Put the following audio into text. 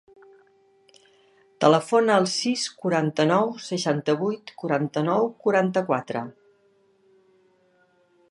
Telefona al sis, quaranta-nou, seixanta-vuit, quaranta-nou, quaranta-quatre.